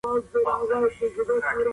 علمي شننې تل رښتینې وي.